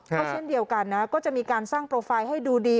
ก็เช่นเดียวกันนะก็จะมีการสร้างโปรไฟล์ให้ดูดี